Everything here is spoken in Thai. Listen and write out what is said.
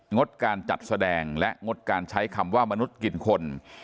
งดการจัดแสดงและงดการใช้คำว่ามนุษย์กินคน